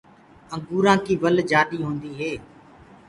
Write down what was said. انگوُرآنٚ ڪيٚ ول جآڏي هوندي هي۔